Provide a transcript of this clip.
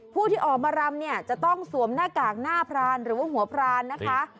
ผู้ที่ออกมารำเนี่ยจะต้องสวมหน้ากากหน้าพรานหรือว่าหัวพรานนะคะ